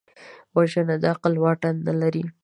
وژنه د عقل واټن نه لري